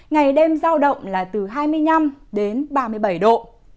ngày đêm giao động là từ hai mươi năm đến ba mươi bảy độ